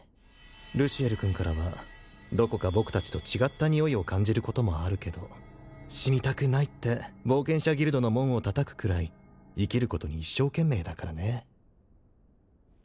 ルシエル君からはどこか僕達と違ったニオイを感じることもあるけど死にたくないって冒険者ギルドの門を叩くくらい生きることに一生懸命だからね